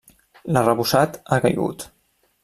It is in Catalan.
L'arrebossat ha caigut.